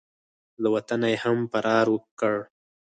له وطنه یې هم فرار کړ.